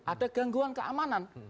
ada gangguan keamanan